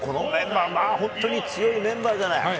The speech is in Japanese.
強いメンバーじゃない。